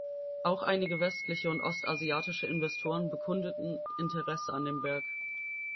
Auch einige westliche und ostasiatische Investoren bekundeten Interesse an dem Werk.